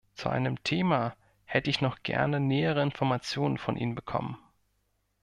Zu einem Thema hätte ich noch gerne nähere Informationen von Ihnen bekommen.